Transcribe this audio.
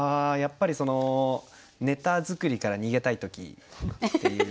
やっぱりそのネタ作りから逃げたい時。